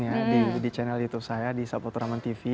langsung ya di channel itu saya di sapwa turaman tv